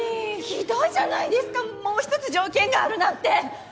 ひどいじゃないですかもう一つ条件があるなんて！